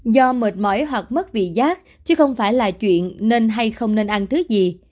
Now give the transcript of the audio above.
do mệt mỏi hoặc mất vị giác chứ không phải là chuyện nên hay không nên ăn thứ gì